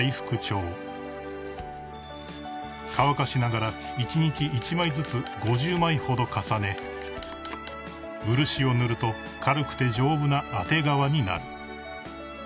［乾かしながら一日一枚ずつ５０枚ほど重ね漆を塗ると軽くて丈夫な当て皮になる］